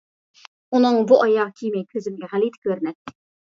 ئۇنىڭ بۇ ئاياغ كىيىمى كۆزۈمگە غەلىتە كۆرۈنەتتى.